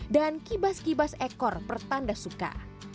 dan kibas kibas ekor pertanda suka